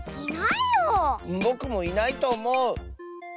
ぼくもいないとおもう。